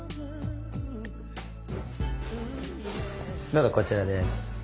どうぞこちらです。